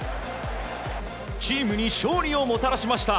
チームに勝利をもたらしました。